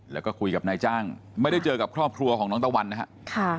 แล้วก็คุยกับนายจ้างไม่ได้เจอกับครอบครัวของน้องตะวันนะครับ